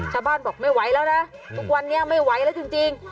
ชาวบ้านบอกไม่ไหวแล้วนะทุกวันนี้ไม่ไหวแล้วจริง